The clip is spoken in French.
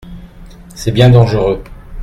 C’est bien dangereux !